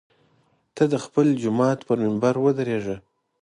ته د خپل جومات پر منبر ودرېږه.